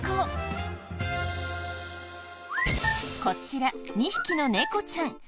こちら２匹の猫ちゃん。